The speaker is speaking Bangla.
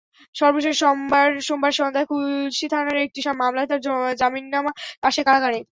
সর্বশেষ সোমবার সন্ধ্যায় খুলশী থানার একটি মামলায় তাঁর জামিননামা আসে কারাগারে।